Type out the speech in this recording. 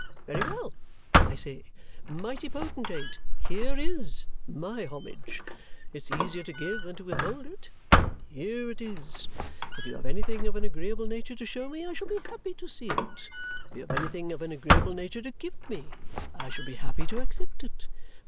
Very well! I say 'Mighty potentate, here IS my homage! It's easier to give it than to withhold it. Here it is. If you have anything of an agreeable nature to show me, I shall be happy to see it; if you have anything of an agreeable nature to give me, I shall be happy to accept it.'